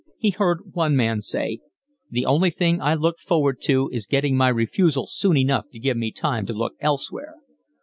He heard one man say: "The only thing I look forward to is getting my refusal soon enough to give me time to look elsewhere."